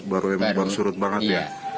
baru baru surut banget ya